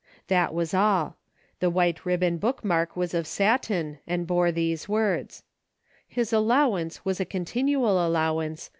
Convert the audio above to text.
That was all. The white ribbon bookmark was of satin and bore these words :" His allowance was a continual allowance